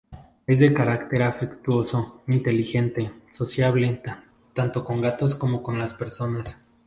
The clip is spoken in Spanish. Es de carácter afectuoso, inteligente, sociable, tanto con otros gatos como con las personas.